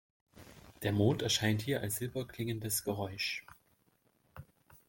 Der Mond erscheint hier als silber klingendes Geräusch.